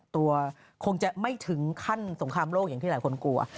ตัวคงจะไม่ถึงขั้นสงครามโลกอย่างที่หลายคนกลัว